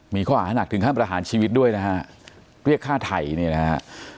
มีข้อหานักถึงขั้นประหารชีวิตด้วยนะฮะเรียกฆ่าไทยเนี่ยนะฮะ